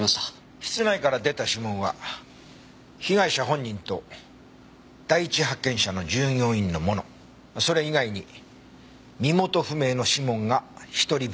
室内から出た指紋は被害者本人と第一発見者の従業員のものそれ以外に身元不明の指紋が１人分。